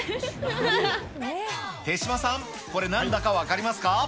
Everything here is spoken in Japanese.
手嶋さん、これ、なんだか分かりますか？